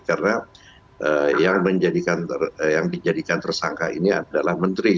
karena yang dijadikan tersangka ini adalah menteri